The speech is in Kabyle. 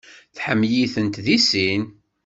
Tḥemmel-iten deg sin.